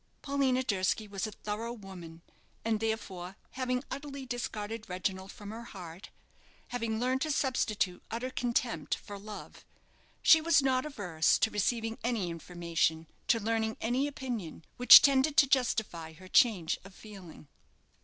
Paulina Durski was a thorough woman; and, therefore, having utterly discarded Reginald from her heart, having learned to substitute utter contempt for love, she was not averse to receiving any information, to learning any opinion, which tended to justify her change of feeling.